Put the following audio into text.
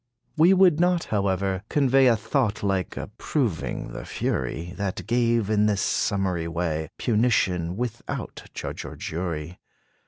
We would not, however, convey A thought like approving the fury, That gave, in this summary way, Punition, without judge or jury.